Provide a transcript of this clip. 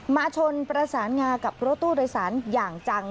ชนประสานงากับรถตู้โดยสารอย่างจัง